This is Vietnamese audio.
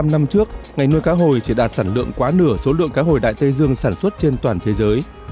bốn mươi năm năm trước ngành nuôi cá hồi chỉ đạt sản lượng quá nửa số lượng cá hồi đại tây dương sản xuất trên toàn thế giới